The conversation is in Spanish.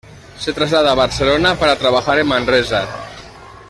Se traslada a Barcelona, para trabajar en Manresa.